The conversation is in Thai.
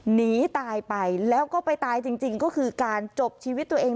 หนีตายไปแล้วก็ไปตายจริงก็คือการจบชีวิตตัวเอง